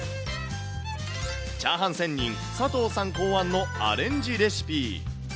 チャーハン仙人、佐藤さん考案のアレンジレシピ。